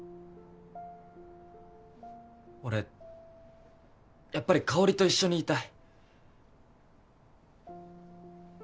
俺やっぱり香と一緒にいたい。